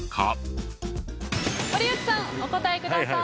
堀内さんお答えください。